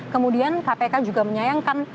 kemudian kpk juga menyayangkan